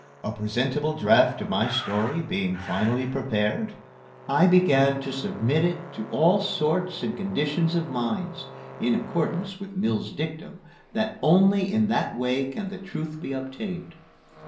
A presentable draft of my story being finally prepared, I began to submit it to all sorts and conditions of minds (in accordance with Mill's dictum that only in that way can the truth be obtained).